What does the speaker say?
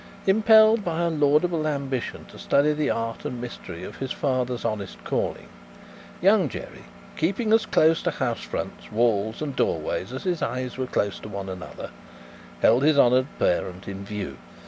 Impelled by a laudable ambition to study the art and mystery of his father's honest calling, Young Jerry, keeping as close to house fronts, walls, and doorways, as his eyes were close to one another, held his honoured parent in view.